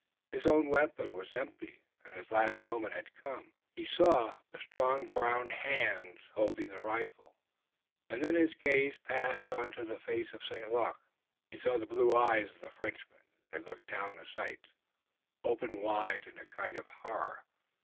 His own weapon was empty and his last moment had come. He saw the strong brown hands holding the rifle, and then his gaze passed on to the face of St. Luc. He saw the blue eyes of the Frenchman, as they looked down the sights, open wide in a kind of horror.